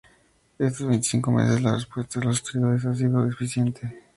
En estos veinticinco meses, la respuesta de las autoridades ha sido deficiente.